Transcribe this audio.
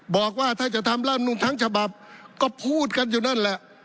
บอกว่าถ้าจะทำรัฐมนุนทั้งฉบับก็พูดกันอยู่นั่นแหละ